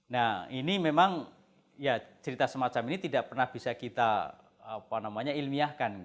nah ini memang ya cerita semacam ini tidak pernah bisa kita ilmiahkan